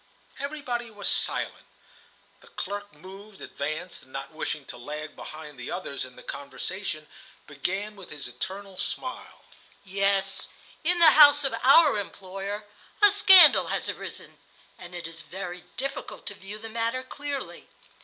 Everybody was silent. The clerk moved, advanced, and, not wishing to lag behind the others in the conversation, began with his eternal smile: "Yes, in the house of our employer, a scandal has arisen, and it is very difficult to view the matter clearly.